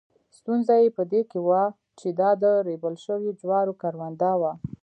ستونزه یې په دې کې وه چې دا د ریبل شوو جوارو کرونده وه.